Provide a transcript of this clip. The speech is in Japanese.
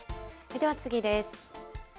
では次です。